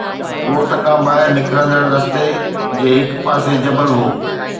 ڳوٺ کان ٻاهر نڪرندڙ رستي جي هڪ پاسي جبل هو